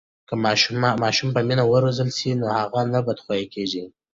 که ماشوم په مینه و روزل سي نو هغه نه بدخویه کېږي.